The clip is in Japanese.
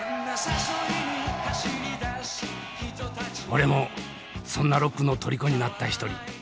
俺もそんなロックのとりこになった一人。